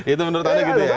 itu menurut anda gitu ya